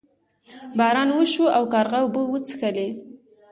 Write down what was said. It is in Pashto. باران وشو او کارغه اوبه وڅښلې.